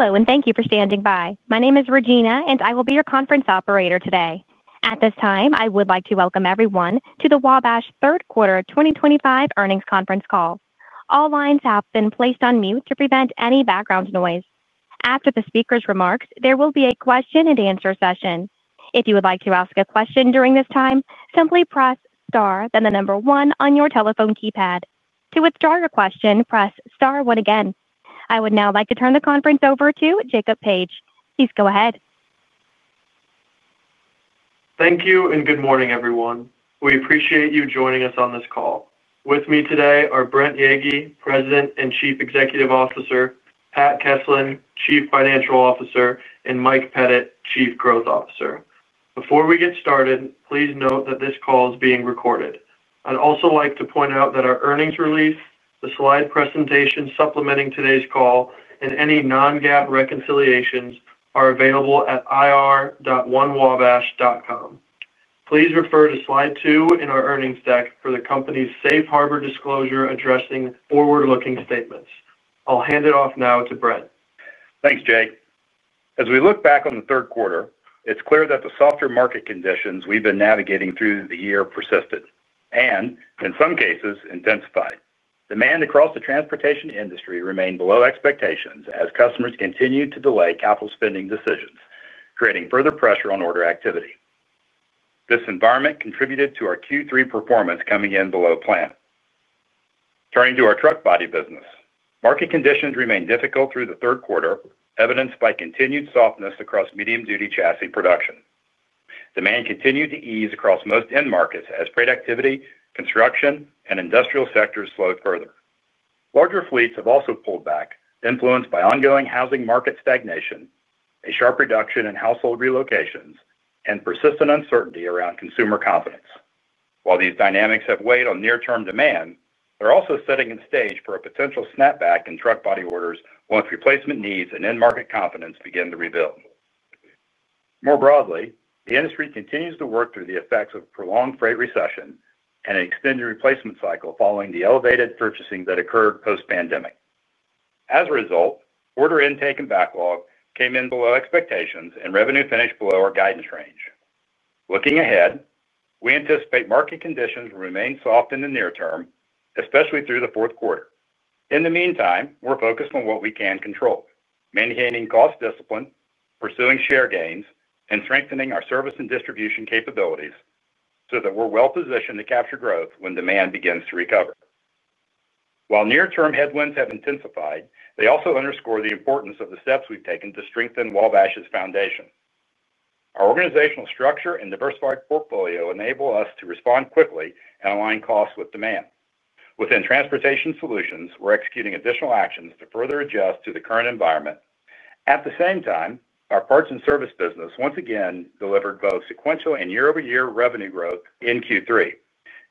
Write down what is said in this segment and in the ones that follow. Hello and thank you for standing by. My name is Regina and I will be your conference operator today. At this time I would like to welcome everyone to the Wabash Third Quarter 2025 Earnings Conference Call. All lines have been placed on mute to prevent any background noise. After the speaker's remarks, there will be a question and answer session. If you would like to ask a question during this time, simply press Star then the number one on your telephone keypad. To withdraw your question, press Star one again. I would now like to turn the conference over to Jacob Page. Please go ahead. Thank you and good morning everyone. We appreciate you joining us on this call. With me today are Brent Yeagy, President and Chief Executive Officer, Patrick Keslin, Chief Financial Officer, and Michael Pettit, Chief Growth Officer. Before we get started, please note that this call is being recorded. I'd also like to point out that. Our earnings release, the slide presentation supplementing today's call, and any non-GAAP reconciliations are available at ir.onewabash.com. Please refer to slide two in our earnings deck for the company's Safe Harbor disclosure addressing forward-looking statements. I'll hand it off now to Brent. Thanks, Jake. As we look back on the 3rd quarter, it's clear that the softer market conditions we've been navigating through the year persisted and in some cases intensified. Demand across the transportation industry remained below expectations as customers continue to delay capital spending decisions, creating further pressure on order activity. This environment contributed to our Q3 performance coming in below plan. Turning to our truck body business, market conditions remained difficult through the 3rd quarter, evidenced by continued softness across medium duty chassis production. Demand continued to ease across most end markets as productivity, construction, and industrial sectors slowed further. Larger fleets have also pulled back, influenced by ongoing housing market stagnation, a sharp reduction in household relocations, and persistent uncertainty around consumer confidence. While these dynamics have weighed on near-term demand, they're also setting the stage for a potential snapback in truck body orders once replacement needs and end market confidence begin to rebuild. More broadly, the industry continues to work through the effects of prolonged freight recession and an extended replacement cycle following the elevated purchasing that occurred post-pandemic. As a result, order intake and backlog came in below expectations, and revenue finished below our guidance range. Looking ahead, we anticipate market conditions remain soft in the near term, especially through the 4th quarter. In the meantime, we're focused on what we can control, maintaining cost discipline, pursuing share gains, and strengthening our service and distribution capabilities so that we're well positioned to capture growth when demand begins to recover. While near-term headwinds have intensified, they also underscore the importance of the steps we've taken to strengthen Wabash's foundation. Our organizational structure and diversified portfolio enable us to respond quickly and align costs with demand. Within Transportation Solutions, we're executing additional actions to further adjust to the current environment. At the same time, our Parts and Services business once again delivered both sequential and year-over-year revenue growth in Q3,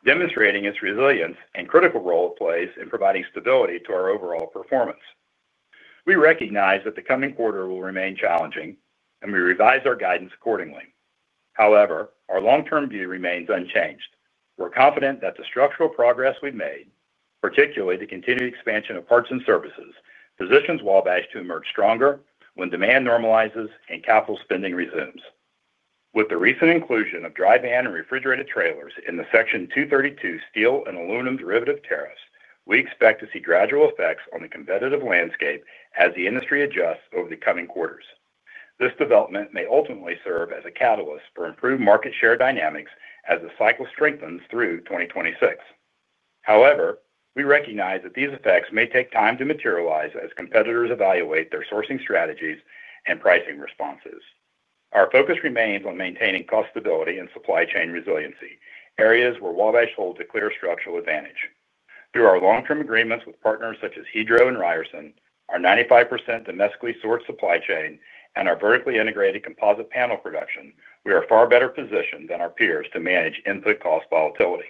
demonstrating its resilience and the critical role it plays in providing stability to our overall performance. We recognize that the coming quarter will remain challenging and we revise our guidance accordingly. However, our long-term view remains unchanged. We're confident that the structural progress we've made, particularly the continued expansion of Parts and Services, positions Wabash to emerge stronger when demand normalizes and capital spending resumes. With the recent inclusion of Dry Freight Vans and Refrigerated Trailers in the Section 232 Steel and Aluminum Derivative Tariffs, we expect to see gradual effects on the competitive landscape as the industry adjusts over the coming quarters. This development may ultimately serve as a catalyst for improved market share dynamics as the cycle strengthens through 2026. However, we recognize that these effects may take time to materialize as competitors evaluate their sourcing strategies and pricing responses. Our focus remains on maintaining cost stability and supply chain resiliency, areas where Wabash holds a clear structural advantage. Through our long-term agreements with partners such as Hydro and Ryerson, our 95% domestically sourced supply chain, and our vertically integrated Composite Panel production, we are far better positioned than our peers to manage input cost volatility.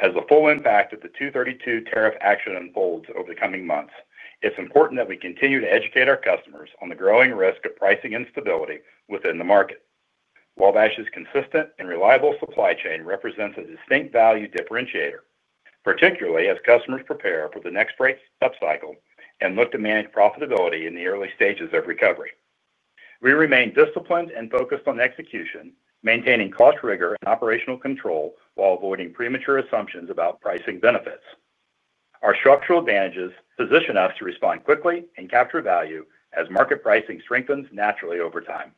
As the full impact of the Section 232 tariff action unfolds over the coming months, it's important that we continue to educate our customers on the growing risk of pricing instability within the market. Wabash's consistent and reliable supply chain represents a distinct value differentiator, particularly as customers prepare for the next freight up cycle and look to manage profitability in the early stages of recovery. We remain disciplined and focused on execution, maintaining cost rigor and operational control while avoiding premature assumptions about pricing benefits. Our structural advantages position us to respond quickly and capture value as market pricing strengthens naturally over time.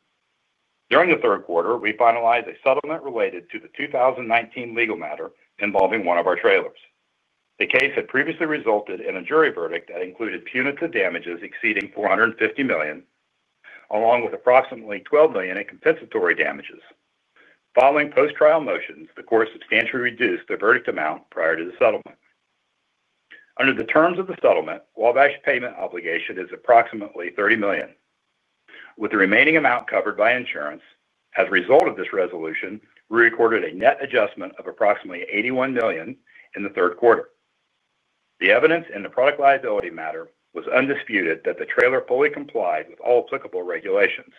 During the 3rd quarter, we finalized a settlement related to the 2019 legal matter involving one of our trailers. The case had previously resulted in a jury verdict that included punitive damages exceeding $450 million along with approximately $12 million in compensatory damages. Following post-trial motions, the court substantially reduced the verdict amount prior to the settlement. Under the terms of the settlement, Wabash payment obligation is approximately $30 million, with the remaining amount covered by insurance. As a result of this resolution, we recorded a net adjustment of approximately $81 million in the third quarter. The evidence in the product liability matter was undisputed that the trailer fully complied with all applicable regulations.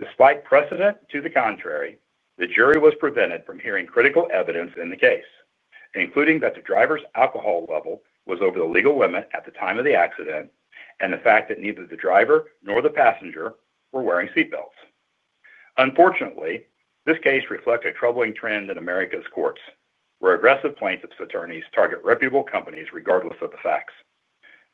Despite precedent to the contrary, the jury was prevented from hearing critical evidence in the case, including that the driver's alcohol level was over the legal limit at the time of the accident and the fact that neither the driver nor the passenger were wearing seat belts. Unfortunately, this case reflects a troubling trend in America's courts where aggressive plaintiffs' attorneys target reputable companies. Regardless of the facts,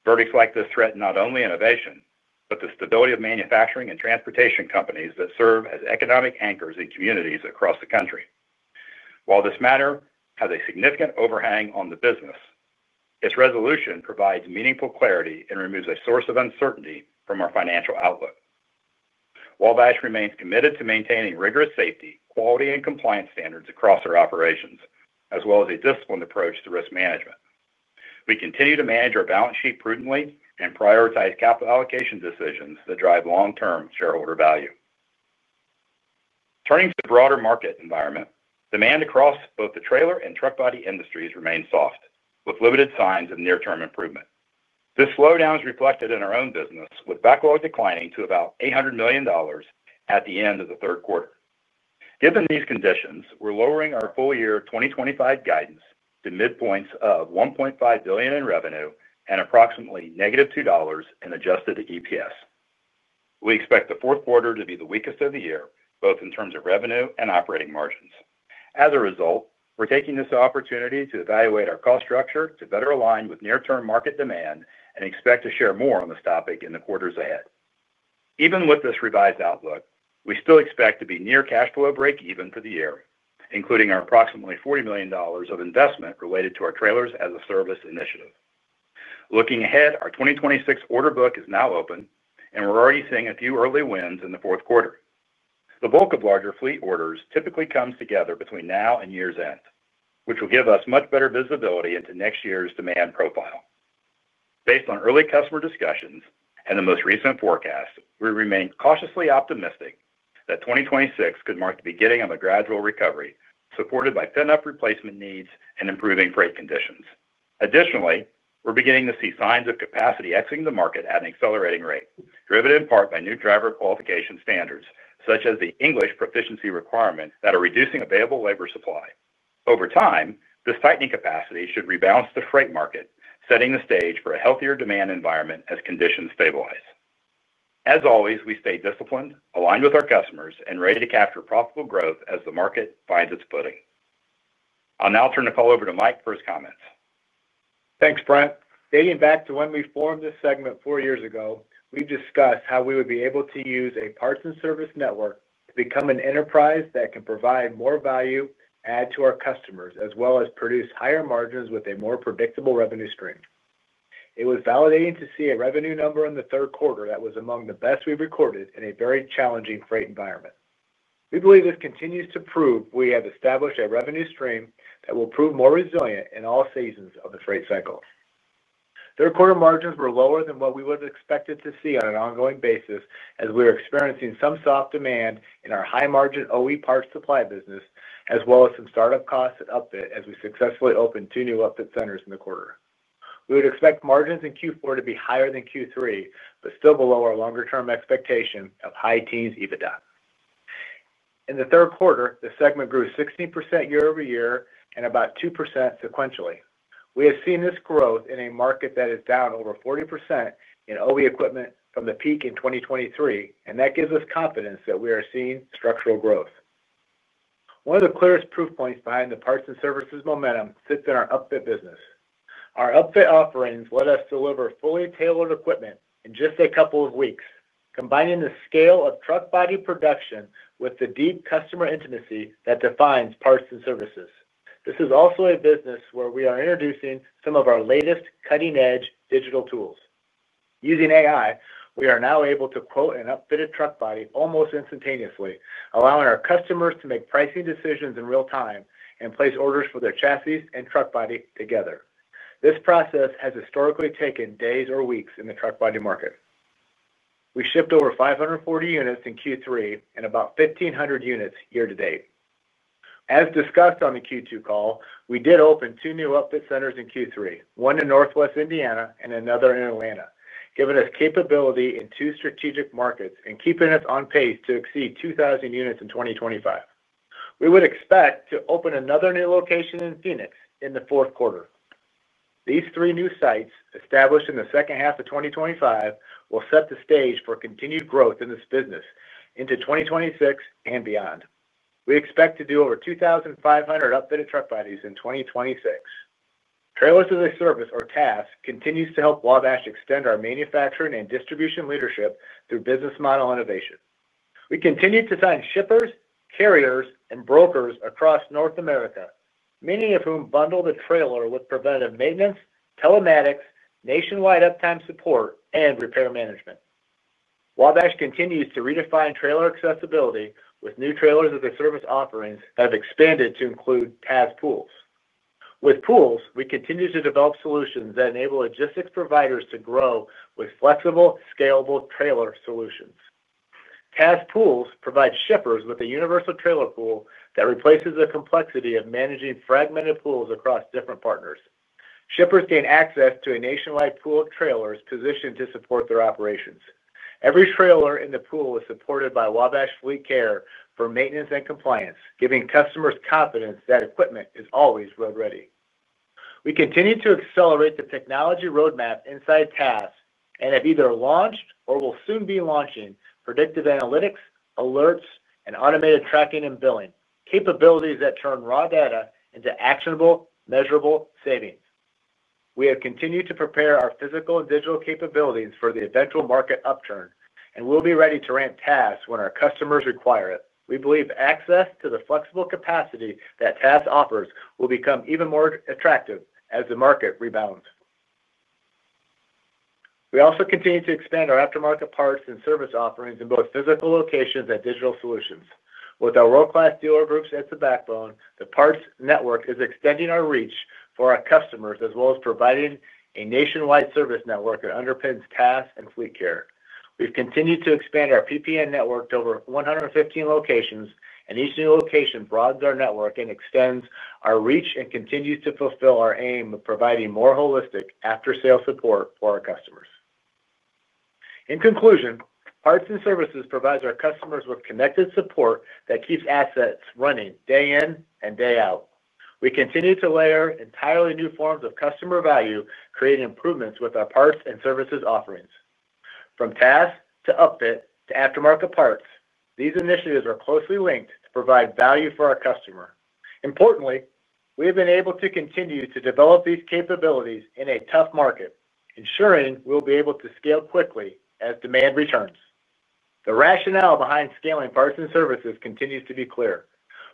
verdicts like this threaten not only innovation but the stability of manufacturing and transportation companies that serve as economic anchors in communities across the country. While this matter has a significant overhang on the business, its resolution provides meaningful clarity and removes a source of uncertainty from our financial outlook. Wabash remains committed to maintaining rigorous safety, quality, and compliance standards across our operations, as well as a disciplined approach to risk management. We continue to manage our balance sheet prudently and prioritize capital allocation decisions that drive long-term shareholder value. Turning to the broader market environment, demand across both the trailer and truck body industries remains soft with limited signs of near-term improvement. This slowdown is reflected in our own business, with backlog declining to about $800 million at the end of the third quarter. Given these conditions, we're lowering our full-year 2025 guidance to midpoints of $1.5 billion in revenue and approximately -$2 in adjusted EPS. We expect the fourth quarter to be the weakest of the year both in terms of revenue and operating margins. As a result, we're taking this opportunity to evaluate our cost structure to better align with near-term market demand and expect to share more on this topic in the quarters ahead. Even with this revised outlook, we still expect to be near cash flow break-even for the year, including our approximately $40 million of investment related to our Trailers as a Service initiative. Looking ahead, our 2026 order book is now open and we're already seeing a few early wins in the 4th quarter. The bulk of larger fleet orders typically comes together between now and year's end, which will give us much better visibility into next year's demand profile. Based on early customer discussions and the most recent forecast, we remain cautiously optimistic that 2026 could mark the beginning of a gradual recovery supported by fed up replacement needs and improving freight conditions. Additionally, we're beginning to see signs of capacity exiting the market at an accelerating rate, driven in part by new driver qualification standards such as the English proficiency requirement that are reducing available labor supply over time. This tightening capacity should rebalance the freight market, setting the stage for a healthier demand environment as conditions stabilize. As always, we stay disciplined, aligned with our customers and ready to capture profitable growth as the market finds its footing. I'll now turn the call over to Mike for his comments. Thanks, Brent. Dating back to when we formed this segment four years ago, we discussed how. We would be able to use a. Parts and Services network to become an enterprise that can provide more value add to our customers as well as produce higher margins with a more predictable revenue stream. It was validating to see a revenue number in the third quarter that was among the best we've recorded in a very challenging freight environment. We believe this continues to prove we have established a revenue stream that will prove more resilient in all seasons of the freight cycle. 3rd quarter margins were lower than what we would have expected to see on an ongoing basis as we are experiencing some soft demand in our high margin OE parts supply business as well as some startup costs at upfit. As we successfully opened two new Upfit Centers in the quarter, we would expect margins in Q4 to be higher than Q3 but still below our longer term expectation of high teens EBITDA. In the 3rd quarter, the segment grew 16% year-over-year and about 2% sequentially. We have seen this growth in a market that is down over 40% in OE equipment from the peak in 2023 and that gives us confidence that we are seeing structural growth. One of the clearest proof points behind the Parts and Services momentum sits in our upfit business. Our upfit offerings let us deliver fully tailored equipment in just a couple of weeks, combining the scale of truck body production with the deep customer intimacy that defines Parts and Services. This is also a business where we are introducing some of our latest cutting edge digital tools. Using AI, we are now able to. Quote an upfitted truck body almost instantaneously, allowing our customers to make pricing decisions in real time and place orders for their chassis and truck body together. This process has historically taken days or weeks in the truck body market. We shipped over 540 units in Q3 and about 1,500 units year to date. As discussed on the Q2 call, we did open two new Upfit Centers in Q3, one in Northwest Indiana and another in Atlanta, giving us capability in two strategic markets and keeping us on pace. To exceed 2,000 units in 2025. We would expect to open another new location in Phoenix in the 4th quarter. These three new sites, established in the 2nd half of 2025, will set the stage for continued growth in this business into 2026 and beyond. We expect to do over 2,500 upfitted truck bodies in 2026. Trailers as a Service or TAS continues to help Wabash extend our manufacturing and distribution leadership through business model innovation. We continue to sign shippers, carriers, and brokers across North America, many of whom bundle the trailer with preventive maintenance, telematics, nationwide uptime support, and repair management. Wabash continues to redefine trailer accessibility with new Trailers as a Service offerings that have expanded to include TAS pools. With pools, we continue to develop solutions that enable logistics providers to grow with flexible, scalable trailer solutions. TAS pools provide shippers with a universal trailer pool that replaces the complexity of managing fragmented pools across different partners. Shippers gain access to a nationwide pool of trailers positioned to support their operations. Every trailer in the pool is supported by Wabash FleetCare for maintenance and compliance, giving customers confidence that equipment is always road ready. We continue to accelerate the technology roadmap inside TAS and have either launched or will soon be launching predictive analytics alerts and automated tracking and billing capabilities that turn raw data into actionable, measurable savings. We have continued to prepare our physical and digital capabilities for the eventual market upturn and we'll be ready to ramp TAS when our customers require it. We believe access to the flexible capacity that TAS offers will become even more attractive as the market rebounds. We also continue to expand our aftermarket parts and service offerings in both physical locations and digital solutions. With our world-class dealer groups as the backbone, the parts network is extending our reach for our customers as well as providing a nationwide service network that underpins TAS and FleetCare. We've continued to expand our PPN network to over 115 locations and each new location broadens our network and extends our reach and continues to fulfill our aim of providing more holistic after-sales support for our customers. In conclusion, Parts and Services provides our customers with connected support that keeps assets running day in and day out. We continue to layer entirely new forms of customer value, creating improvements with our Parts and Services offerings. From TAS to upfit to aftermarket parts, these initiatives are closely linked to provide value for our customer. Importantly, we have been able to continue to develop these capabilities in a tough market, ensuring we'll be able to scale quickly as demand returns. The rationale behind scaling Parts and Services continues to be clear.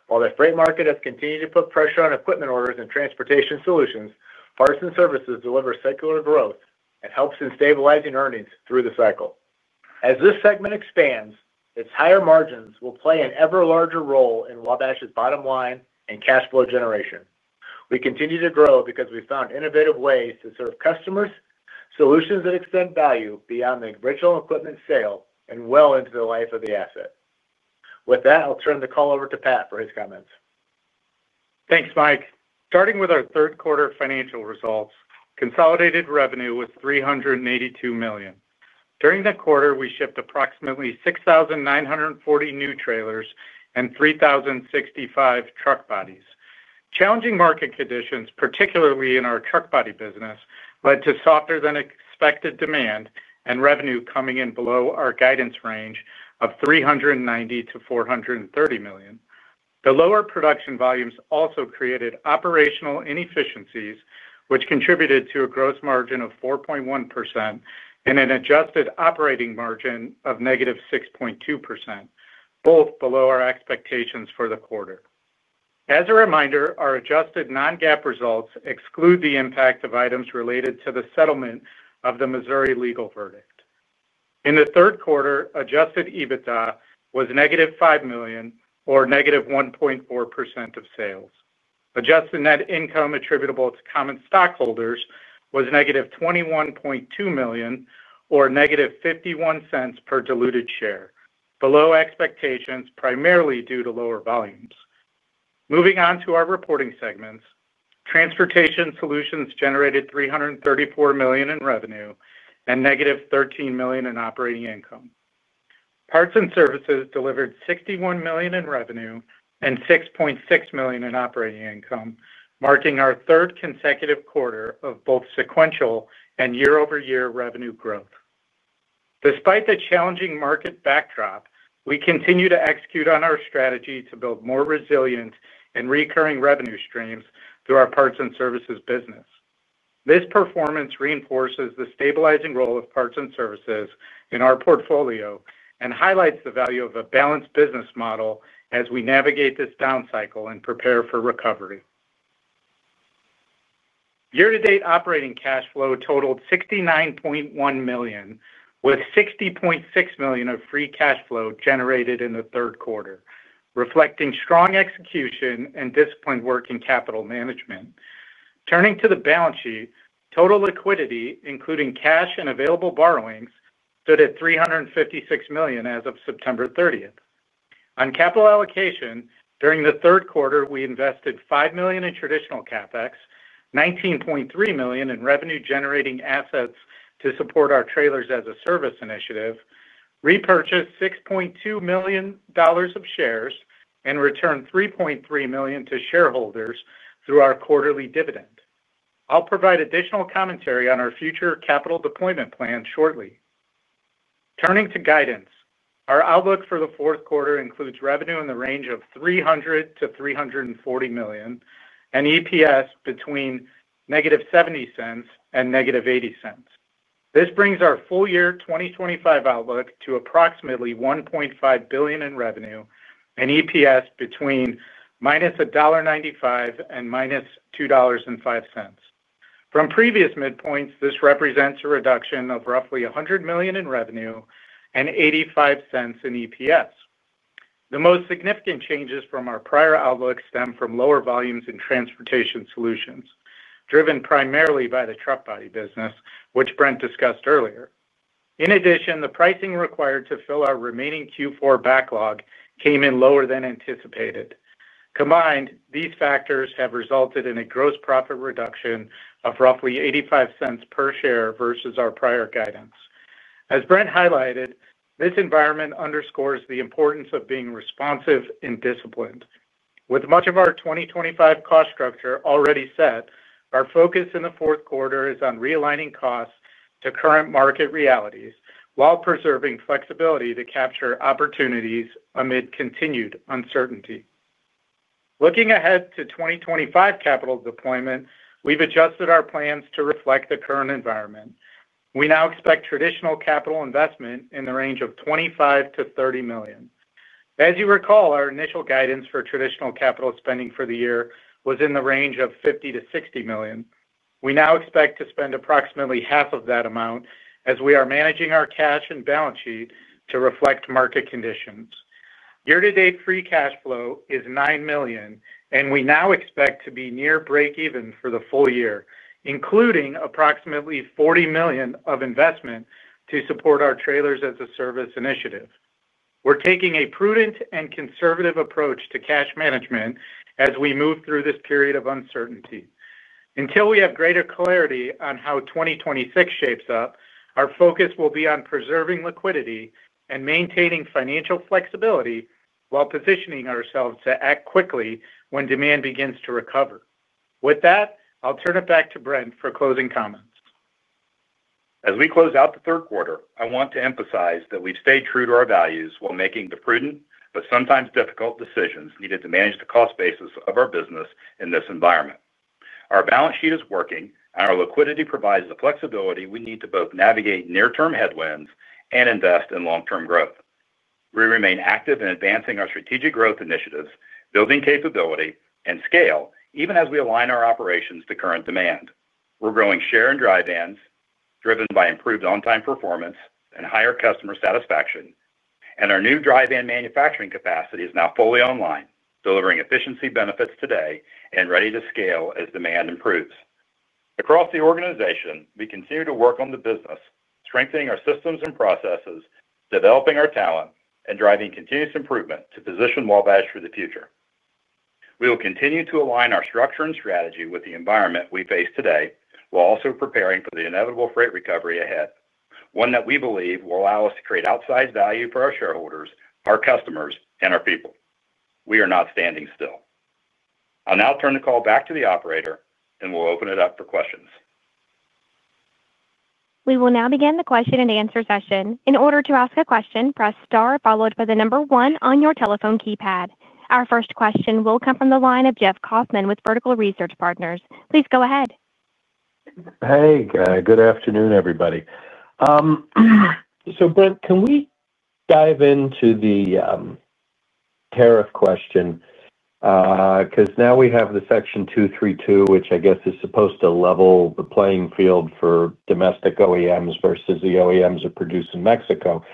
While the freight market has continued to put pressure on equipment orders, Transportation Solutions Parts and Services delivers secular growth and helps in stabilizing earnings through the cycle. As this segment expands, its higher margins will play an ever larger role in Wabash National Corporation's bottom line and cash flow generation. We continue to grow because we found innovative ways to serve customers solutions that extend value beyond the original equipment sale and well into the life of the asset. With that, I'll turn the call over to Pat for his comments. Thanks, Mike. Starting with our 3rd quarter financial results, consolidated revenue was $382 million. During the quarter we shipped approximately 6,940 new trailers and 3,065 truck bodies. Challenging market conditions, particularly in our truck body business, led to softer than expected demand and revenue coming in below our guidance range of $390-$430 million. The lower production volumes also created operational inefficiencies, which contributed to a gross margin of 4.1% and an adjusted operating margin of -6.2%, both below our expectations for the quarter. As a reminder, our adjusted non-GAAP results exclude the impact of items related to the settlement of the Missouri legal verdict in the 3rd quarter. Adjusted EBITDA was -$5 million or -1.4% of sales. Adjusted net income attributable to common stockholders was -$21.2 million or -$0.51 per diluted share, below expectations primarily due to lower volumes. Moving on to our reporting segments, Transportation Solutions generated $334 million in revenue and -$13 million in operating income. Parts and Services delivered $61 million in revenue and $6.6 million in operating income, marking our 3rd consecutive quarter of both sequential and year-over-year revenue growth. Despite the challenging market backdrop, we continue to execute on our strategy to build more resilient and recurring revenue streams through our Parts and Services business. This performance reinforces the stabilizing role of Parts and Services in our portfolio and highlights the value of a balanced business model as we navigate this down cycle and prepare for recovery. Year to date, operating cash flow totaled $69.1 million with $60.6 million of free cash flow generated in the 3rd quarter, reflecting strong execution and disciplined work in capital management. Turning to the balance sheet, total liquidity including cash and available borrowings stood at $356 million as of September 30th. On capital allocation. During the 3rd quarter, we invested $5 million in traditional CapEx, $19.3 million in revenue generating assets to support our Trailers as a Service initiative, repurchased $6.2 million of shares, and returned $3.3 million to. Shareholders through our quarterly dividend. I'll provide additional commentary on our future capital deployment plan shortly. Turning to guidance, our outlook for the 4th quarter includes revenue in the range of $300 million-$340 million and EPS between negative $0.70 and -$0.80. This brings our full year 2025 outlook to approximately $1.5 billion in revenue and EPS between -$1.95 and -$2.05 from previous midpoints. This represents a reduction of roughly $100 million in revenue and $0.85 in EPS. The most significant changes from our prior outlook stem from lower volumes in transportation solutions, driven primarily by the truck body business, which Brent Yeagy discussed earlier. In addition, the pricing required to fill our remaining Q4 backlog came in lower than anticipated. Combined, these factors have resulted in a gross profit reduction of roughly $0.85 per share versus our prior guidance. As Brent highlighted, this environment underscores the importance of being responsive and disciplined. With much of our 2025 cost structure already set, our focus in the fourth quarter is on realigning costs to current market realities while preserving flexibility to capture opportunities amid continued uncertainty. Looking ahead to 2025 capital deployment, we've adjusted our plans to reflect the current environment. We now expect traditional capital investment in the range of $25 million-$30 million. As you recall, our initial guidance for traditional capital spending for the year was in the range of $50 million-$60 million. We now expect to spend approximately half of that amount as we are managing our cash and balance sheet to reflect market conditions. Year to date, free cash flow is $9 million and we now expect to be near break even for the full year, including approximately $40 million of investment to support our Trailers as a Service initiative. We're taking a prudent and conservative approach to cash management as we move through this period of uncertainty. Until we have greater clarity on how 2026 shapes up, our focus will be on preserving liquidity and maintaining financial flexibility while positioning ourselves to act quickly when demand begins to recover. With that, I'll turn it back to you. Brent, for closing comments. As we close out the 3rd quarter, I want to emphasize that we've stayed true to our values while making the prudent but sometimes difficult decisions needed to manage the cost basis of our business. In this environment, our balance sheet is working. Our liquidity provides the flexibility we need to both navigate near-term headwinds and invest in long-term growth. We remain active in advancing our strategic growth initiatives, building capability and scale, and even as we align our operations to current demand, we're growing share in Dry Freight Vans driven by improved on-time performance and higher customer satisfaction. Our new dry van manufacturing capacity is now fully online, delivering efficiency benefits today and ready to scale as demand improves across the organization. We continue to work on the business, strengthening our systems and processes, developing our talent, and driving continuous improvement to position Wabash for the future. We will continue to align our structure and strategy with the environment we face today, while also preparing for the inevitable freight recovery ahead, one that we believe will allow us to create outsized value for our shareholders, our customers, and our people. We are not standing still. I'll now turn the call back to the operator and we'll open it up for questions. We will now begin the question and answer session. In order to ask a question, press star followed by the number one on your telephone keypad. Our first question will come from the line of Jeff Kauffman with Vertical Research Partners. Please go ahead. Hey, good afternoon everybody. Brent, can we dive into the tariff question? Now we have Section 232, which I guess is supposed to level the playing field for domestic OEMs versus the OEMs that are produced in Mexico.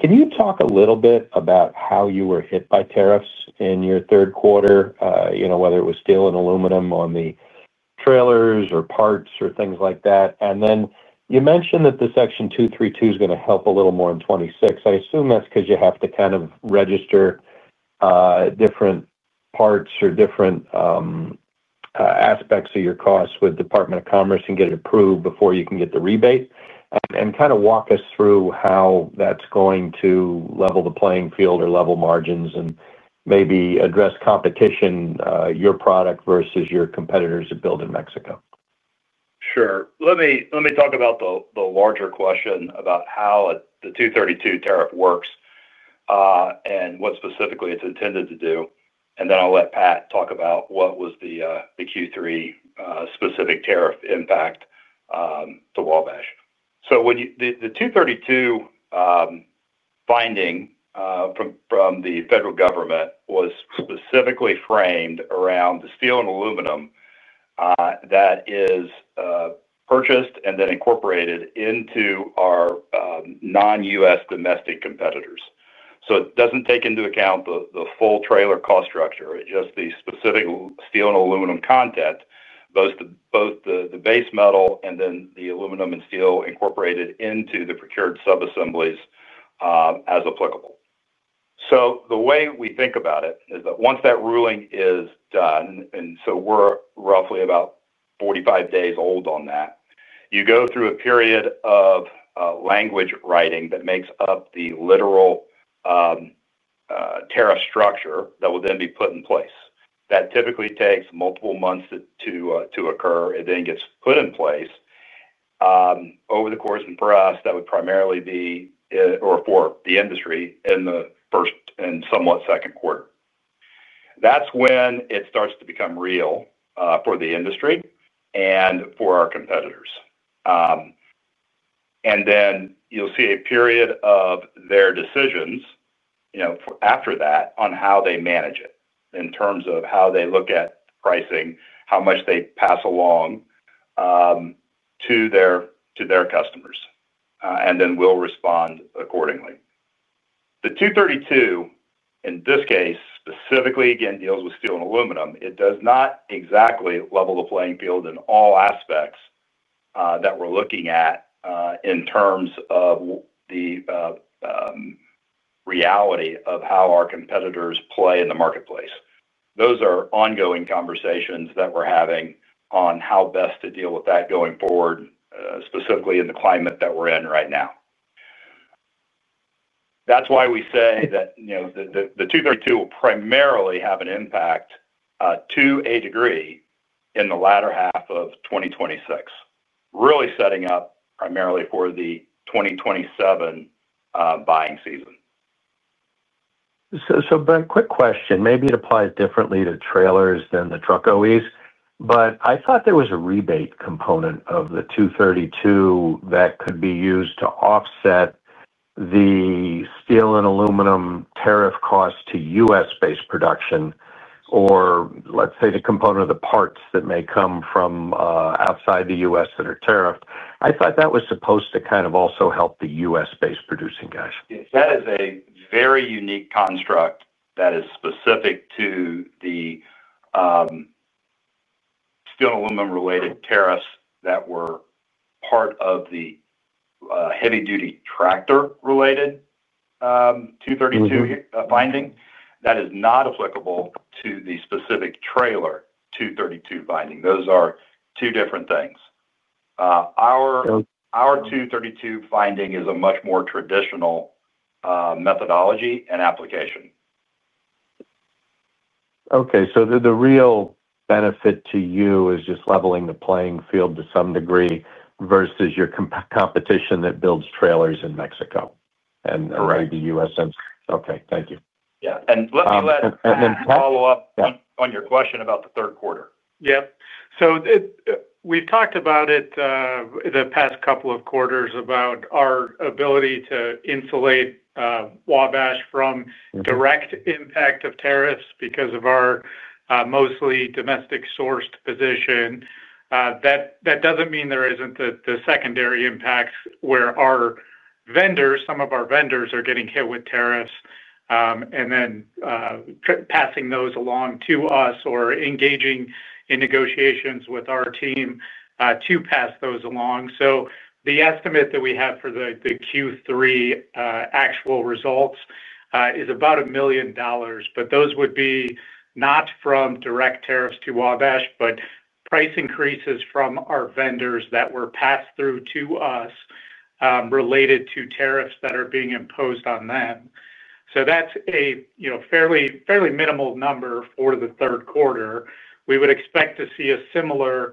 Can you talk a little bit about how you were hit by tariffs in your 3rd quarter, whether it was steel and aluminum on the trailers or parts or things like that? You mentioned that Section 232 is going to help a little more in 2026. I assume that's because you have to kind of register different parts or different aspects of your costs with the Department of Commerce and get it approved before you can get the rebate. Can you walk us through how that's going to level the playing field or level margins and maybe address competition, your product versus your competitors that build in Mexico? Sure. Let me talk about the. Larger question about how the Section 232 tariff works and what specifically it's intended to do. I'll let Pat talk about what was the Q3 specific tariff impact to Wabash. The Section 232 finding from the federal government was specifically framed around the Steel and Aluminum that is purchased and then incorporated into our non-U.S. domestic competitors. It doesn't take into account the full trailer cost structure, just the specific steel and aluminum content, both the base metal and then the aluminum and steel incorporated into the procured subassemblies as applicable. The way we think about it is that once that ruling is done, and we're roughly about 45 days old on that, you go through a period of language writing that makes up the literal tariff structure that will then be put in place. That typically takes multiple months to occur. It then gets put in place over the course, and for us that would primarily be, or for the industry, in the 1st and somewhat 2nd quarter. That's when it starts to become real for the industry and for our competitors. You'll see a period of their decisions after that on how they manage it in terms of how they look at pricing, how much they pass along to their customers, and then we'll respond accordingly. The Section 232 in this case specifically again deals with steel and aluminum. It does not exactly level the playing field in all aspects that we're looking at in terms of the reality of how our competitors play in the marketplace. Those are ongoing conversations that we're having on how best to deal with that going forward, specifically in the climate that we're in right now. That's why we say that the Section 232 will primarily have an impact to a degree in the latter half of 2026, really setting up primarily for the 2027 buying season. Quick question. Maybe it applies differently to trailers than the truck OEs, but I thought there was a rebate component of the Section 232 that could be used to offset the steel and aluminum tariff cost to U.S.-based production or let's say the component of the parts that may come from outside the U.S. that are tariffed. I thought that was supposed to kind of also help the U.S.-based producing guys. That is a very unique construction that is specific to the steel and aluminum related tariffs that were part of the heavy duty tractor related Section 232 finding that is not applicable to the specific trailer Section 232 binding. Those are two different things. Our Section 232 finding is a much more traditional methodology and application. Okay, so the real benefit to you is just leveling the playing field to some degree versus your competition that builds trailers in Mexico and maybe us. Okay, thank you. Let me follow up on your question about the 3rd quarter. Yeah, we've talked about it the past couple of quarters about our ability to insulate Wabash from direct impact of tariffs because of our mostly domestic sourced position. That doesn't mean there isn't the secondary impacts where our vendors, some of our vendors are getting hit with tariffs and then passing those along to us or engaging in negotiations with our team to pass those along. The estimate that we have for the Q3 actual results is about $1 million, but those would be not from direct tariffs to Wabash, but price increases from our vendors that were passed through to us related to tariffs that are being imposed on them. That's a fairly minimal number for the 3rd quarter. We would expect to see a similar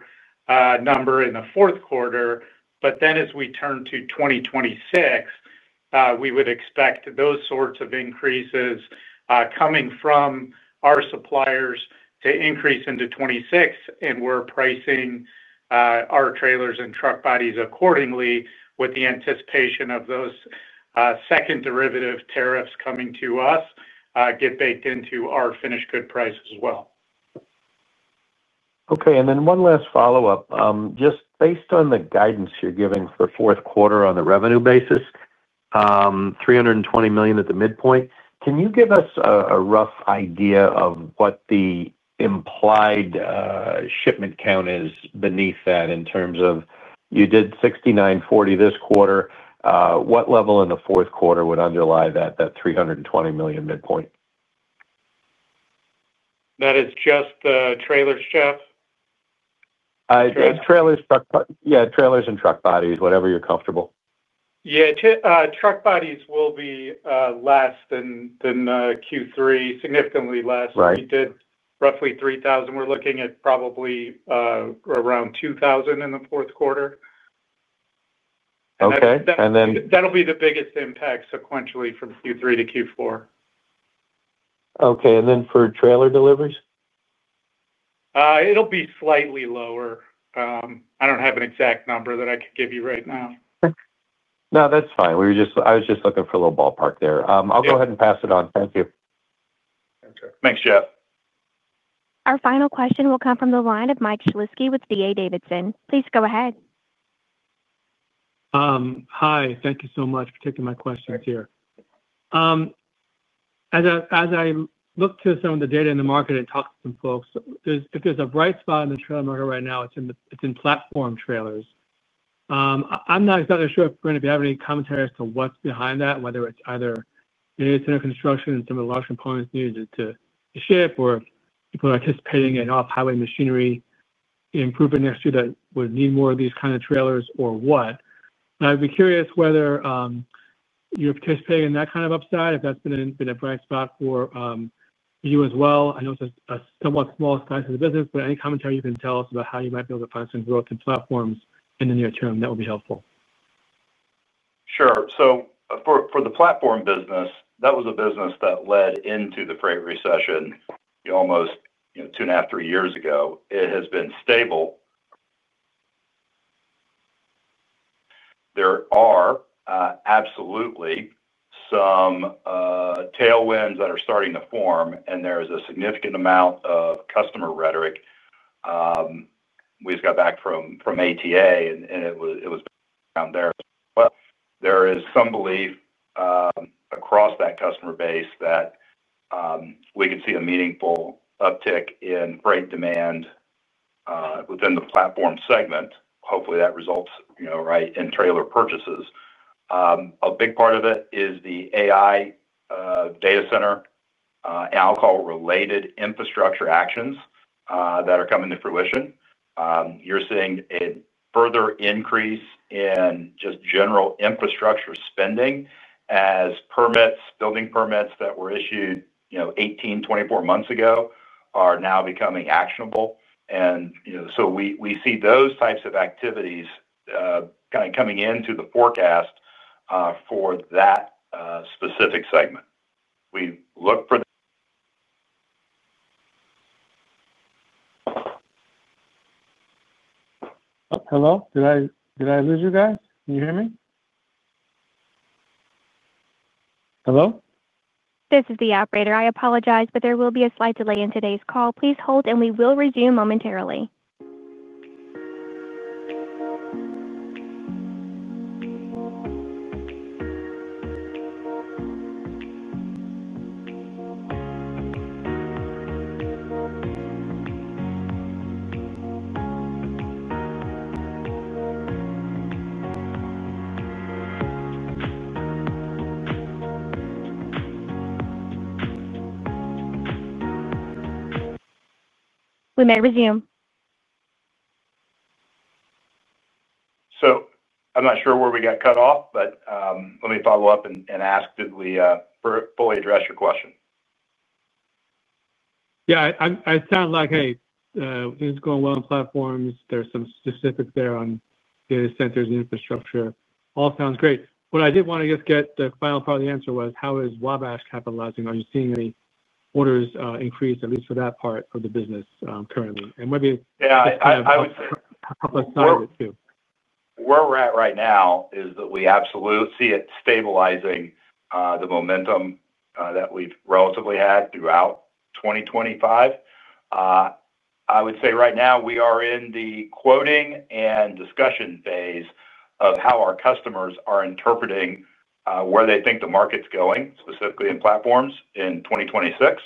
number in the 4th quarter. As we turn to 2026, we would expect those sorts of increases coming from our suppliers to increase into 2026. We're pricing our trailers and truck bodies accordingly with the anticipation of those second derivative tariffs coming to us get baked into our finished good price as well. Okay, and then one last follow up. Just based on the guidance you're giving for 4th quarter on the revenue basis, $320 million at the midpoint. Can you give us a rough idea of what the implied shipment count is beneath that? In terms of you did 6,940 this quarter. What level in the 4th quarter would underlie that $320 million midpoint? That is just the trailers, Jeff. Trailers? Yeah, trailers and truck bodies. Whatever you're comfortable. Yeah, truck bodies will be less than Q3, significantly less. Right. We did roughly 3,000. We're looking at probably around 2,000 in the 4th quarter. Okay. That'll be the biggest impact sequentially from Q3-Q4. Okay. For trailer deliveries, it'll be slightly lower. I don't have an exact number that I could give you right now. No, that's fine. I was just looking for a little ballpark there. I'll go ahead and pass it on. Thank you. Thanks, Jeff. Our final question will come from the line of Mike Shlisky with D.A. Davidson. Please go ahead. Hi. Thank you so much for taking my questions here. As I look to some of the data in the market and talk to some folks, if there's a bright spot in the trailer market right now, it's in Platform Trailers. I'm not exactly sure if we're going to be having any commentary as to what's behind that. Whether it's either center construction and some of the large components needed to ship, or people anticipating an off highway machinery improvement next year that would need more of these kind of trailers or what, I'd be curious whether you're participating in that kind of upside, if that's been a bright spot for you as well. I know it's a somewhat small size of the business, but any commentary you can tell us about how you might be able to find some growth in platforms in the near term, that would be helpful. Sure. For the platform business, that was a business that led into the freight recession almost two and a half, three years ago. It has been stable. There are absolutely some tailwinds that are starting to form, and there is a significant amount of customer rhetoric. We just got back from ATA, and it was around there. There is some belief across that customer base that we could see a meaningful uptick in freight demand within the platform segment. Hopefully that results, you know, right, in trailer purchases. A big part of it is the AI data center, alcohol-related infrastructure actions that are coming to fruition. You're seeing a further increase in just general infrastructure spending as building permits that were issued 18, 24 months ago are now becoming actionable. We see those types of activities kind of coming into the forecast for that specific segment. We look for. Hello, did I lose you guys? Can you hear me? Hello, this is the operator. I apologize, but there will be a slight delay in today's call. Please hold and we will resume momentarily. We may resume. I'm not sure where we got. Cut off, but let me follow up and ask that we fully address your question. Yeah, I sound like, hey, things going well on platforms. There's some specifics there on data centers, infrastructure. All sounds great. What I did want to just get the final part of the answer was how is Wabash capitalizing? Are you seeing any orders increase at least for that part of the business currently? Maybe. Yeah, I would say. Where we're at. Right now is that we absolutely see it stabilizing, the momentum that we've relatively had throughout 2025. I would say right now we are in the quoting and discussion phase of how our customers are interpreting where they think the market's going, specifically in platforms in 2026.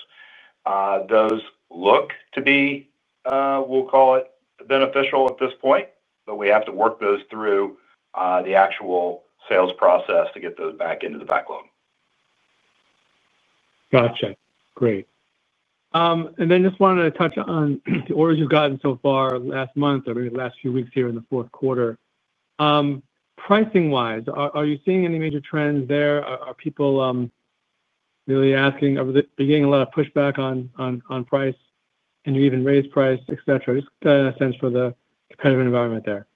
Those look to be, we'll call it, beneficial at this point, but we have to work those through the actual sales process to get those back into the backlog. Gotcha. Great. I just wanted to touch on the orders you've gotten so far last month or maybe the last few weeks here in the 4th quarter. Pricing wise, are you seeing any major trends? Are people really asking, beginning a lot of pushback on price and you even raise price, et cetera? Just got a sense for the kind of environment there.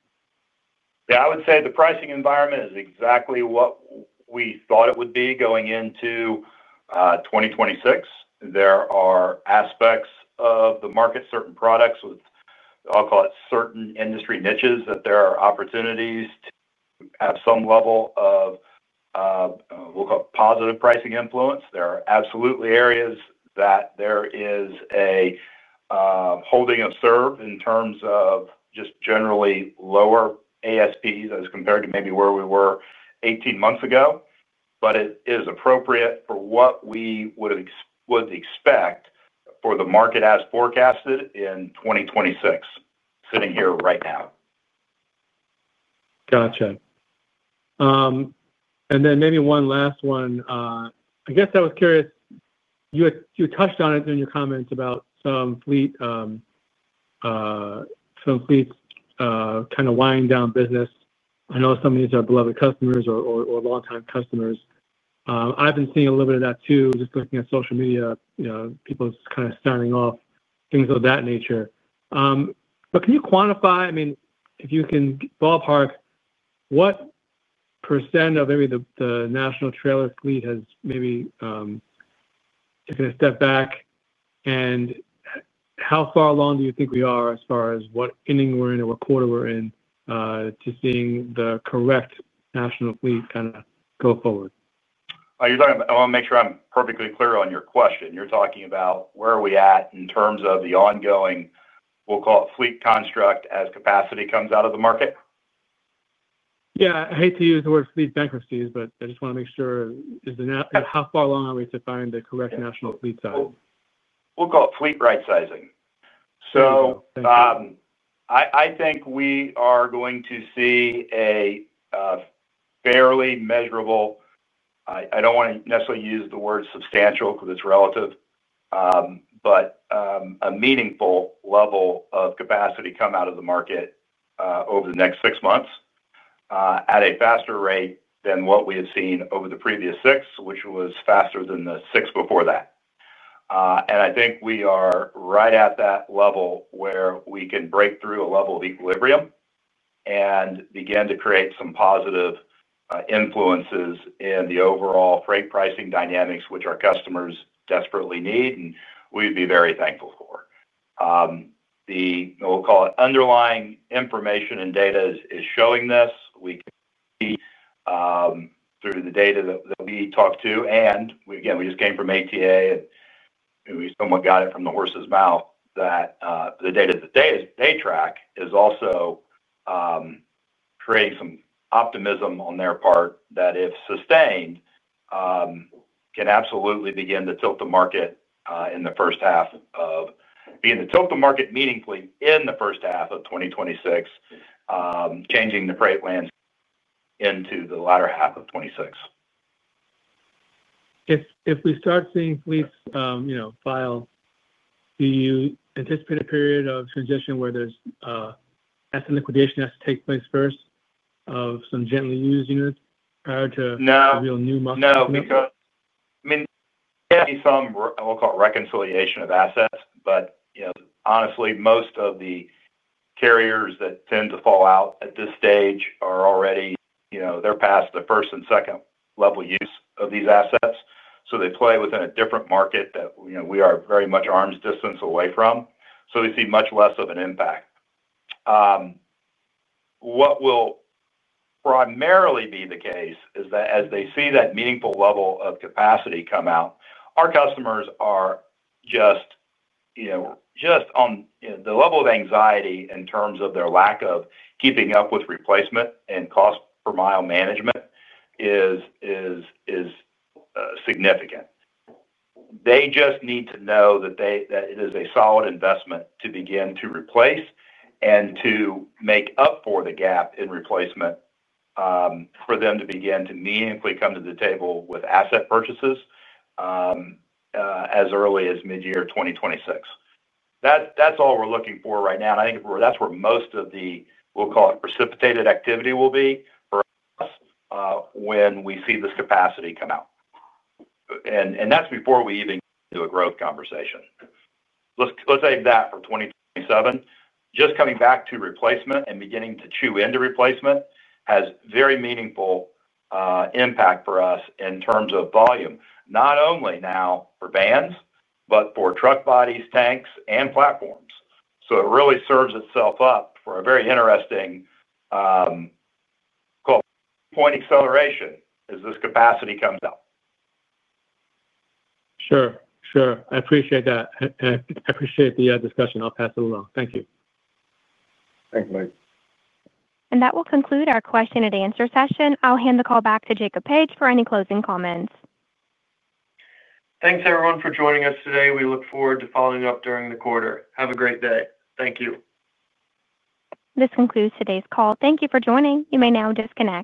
Yeah, I would say the pricing environment is exactly what we thought it would be going into 2026. There are aspects of the market, certain products with, I'll call it, certain industry niches that there are opportunities to have some level of, we'll call, positive pricing influence. There are absolutely areas that there is a holding a serve in terms of just generally lower ASPs as compared to maybe where we were 18 months ago. It is appropriate for what we would expect for the market as forecasted in 2026, sitting here right now. Gotcha. Maybe one last one. I was curious, you touched on it in your comments about some fleet, some fleets kind of wind down business. I know some of these are beloved customers or long time customers. I've been seeing a little bit of that too just looking at social media, people kind of signing off, things of that nature. Can you quantify, if you can ballpark what % of maybe the national trailer fleet has maybe taken a step back and how far along do you think we are as far as what inning we're in or what quarter we're in to seeing the correct national fleet kind of go forward? I want to make sure I'm perfectly clear on your question. You're talking about where are we at in terms of the ongoing, we'll call it fleet construct as capacity comes out of the market? Yeah, I hate to use the word. Fleet bankruptcies, but I just want to make sure how far along are we to find the correct national fleet size? We'll call it fleet right sizing. I think we are going to see a fairly measurable, I don't want to necessarily use the word substantial because it's relative, but a meaningful level of capacity come out of the market over the next six months at a faster rate than what we had seen over the previous six, which was faster than the six before that. I think we are right at that level where we can break through a level of equilibrium and begin to create some positive influences in the overall freight pricing dynamics, which our customers desperately need. We'd be very thankful for the underlying information and data is showing this. We can see through the data that we talk to, and again we just came from ATA and we somewhat got it from the horse's mouth that the data that they track is also creating some optimism on their part that if sustained can absolutely begin to tilt the market in the 1st half of, being the tilt the market meaningfully in the 1st half of 2026, changing the freight lands into the latter half of 2026. If we start seeing fleets, you know, file, do you anticipate a period of transition where there's asset liquidation that has to take place first of some gently used units? No, because I mean some we'll call it reconciliation of assets. Honestly, most of the carriers that tend to fall out at this stage are already past the 1st and 2nd level use of these assets. They play within a different market that we are very much arm's distance away from. We see much less of an impact. What will primarily be the case is that as they see that meaningful level of capacity come out, our customers are just on the level of anxiety in terms of their lack of keeping up with replacement and cost per mile management is significant. They just need to know that it is a solid investment to begin to replace and to make up for the gap in replacement for them to begin to meaningfully come to the table with asset purchases as early as mid year 2026. That's all we're looking for right now. I think that's where most of the, we'll call it precipitated activity will be for us when we see this capacity come out. That's before we even get into a growth conversation. Save that for 2027. Just coming back to replacement and beginning to chew into replacement has very meaningful impact for us in terms of volume not only now for vans, but for truck bodies, tanks and platforms. It really serves itself up for a very interesting point acceleration as this capacity comes up. Sure. I appreciate that. I appreciate the discussion. I'll pass it along. Thank you. Thanks Mike. That will conclude our question and answer session. I'll hand the call back to Jacob Page for any closing comments. Thanks everyone for joining us today. We look forward to following up during the quarter. Have a great day. Thank you. This concludes today's call. Thank you for joining. You may now disconnect.